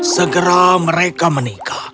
segera mereka menikah